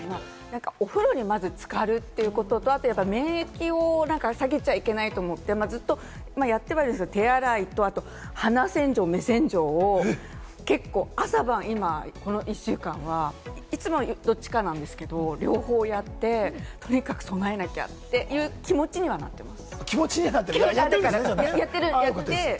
まずお風呂に浸かる、免疫を下げちゃいけないと思って、ずっとやっているんですけれども、手洗いと鼻洗浄、目洗浄を結構朝晩、今、この１週間はいつもどちらかなんですが、両方やって、とにかく備えなきゃという気持ちにはなっています。